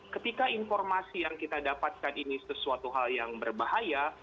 ketika informasi yang kita dapatkan ini sesuatu hal yang berbahaya